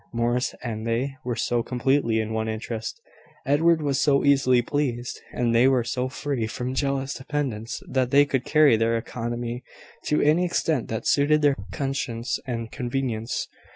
Morris and they were so completely in one interest, Edward was so easily pleased, and they were so free from jealous dependants, that they could carry their economy to any extent that suited their conscience and convenience.